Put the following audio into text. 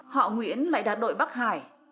họ nguyễn lại đặt đội bắc hải